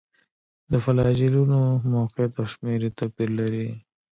د فلاجیلونو موقعیت او شمېر یې توپیر لري.